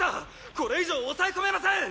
これ以上押さえ込めません！